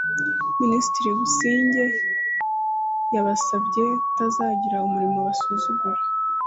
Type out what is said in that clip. Minisitiri Busingye yabasabye kutazagira umurimo basuzugura